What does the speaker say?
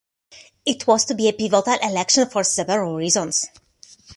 It was to be a pivotal election for several reasons.